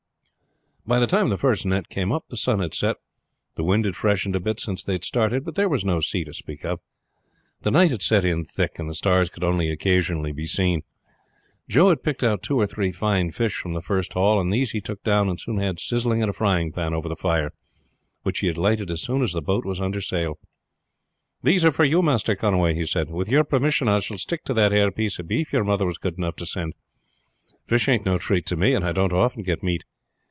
By the time the first net came up the sun had set. The wind had freshened a bit since they had started, but there was no sea to speak of. The night had set in thick, and the stars could only occasionally be seen. Joe had picked out two or three fine fish from the first haul, and these he took down and soon had frizzling in a frying pan over the fire, which he had lighted as soon as the boat was under sail. "These are for you, Master Conway," he said. "With your permission I shall stick to that ere piece of beef your mother was good enough to send. Fish ain't no treat to me, and I don't often get meat.